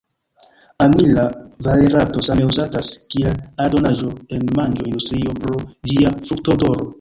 Amila valerato same uzatas kiel aldonaĵo en manĝo-industrio pro ĝia fruktodoro.